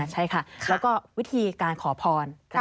ใช่ค่ะแล้วก็วิธีการขอพร